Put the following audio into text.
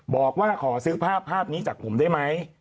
บอกว่าขอซื้อภาพภาพนี้จากผมได้ไหม